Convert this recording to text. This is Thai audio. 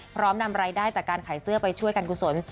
นำรายได้จากการขายเสื้อไปช่วยกันกุศล